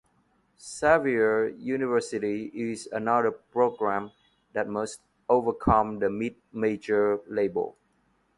Xavier University is another program that must overcome the mid-major label.